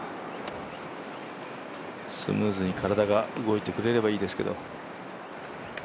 スムーズに体が動いてくれればいいですけど。